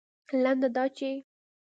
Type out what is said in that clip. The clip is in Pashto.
لنډه دا چې